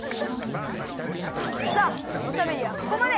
さあおしゃべりはここまで！